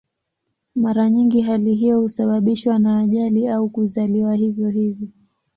Mara nyingi hali hiyo husababishwa na ajali au kuzaliwa hivyo hivyo.